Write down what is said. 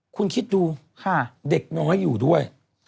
คุณคิดดูเด็กน้อยอยู่ด้วย